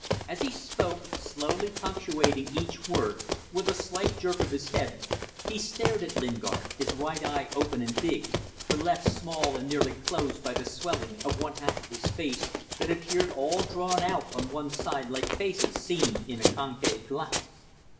As he spoke, slowly punctuating each word with a slight jerk of his head, he stared at Lingard, his right eye open and big, the left small and nearly closed by the swelling of one half of his face, that appeared all drawn out on one side like faces seen in a concave glass.